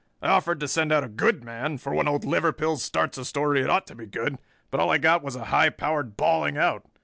"I offered to send out a good man, for when Old Liverpills starts a story it ought to be good, but all I got was a high powered bawling out.